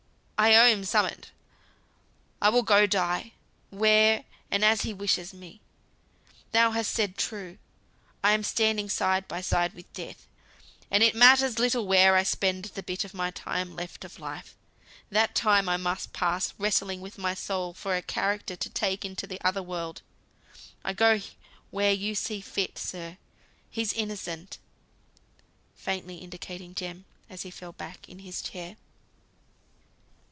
I owe him summut. I will go die, where, and as he wishes me. Thou hast said true, I am standing side by side with Death; and it matters little where I spend the bit of time left of Life. That time I must pass in wrestling with my soul for a character to take into the other world. I'll go where you see fit, sir. He's innocent," faintly indicating Jem, as he fell back in his chair.